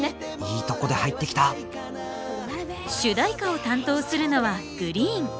いいとこで入ってきた主題歌を担当するのはＧＲｅｅｅｅＮ。